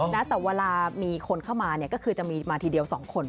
นะแต่เวลามีคนเข้ามาเนี่ยก็คือจะมีมาทีเดียว๒คน